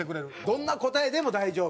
どんな答えでも大丈夫？